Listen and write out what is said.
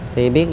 thì biết cái